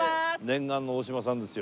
念願の大島さんですよ。